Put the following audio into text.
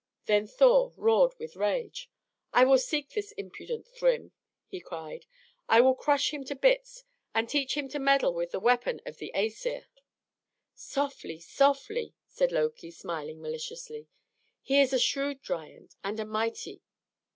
Then Thor roared with rage. "I will seek this impudent Thrym!" he cried. "I will crush him into bits, and teach him to meddle with the weapon of the Æsir!" "Softly, softly," said Loki, smiling maliciously. "He is a shrewd giant, and a mighty.